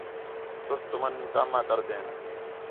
سُست تُم کم آڈردین